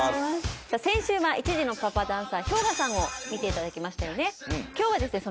先週は１児のパパダンサーＨｙＯｇＡさんを見ていただきましたよね。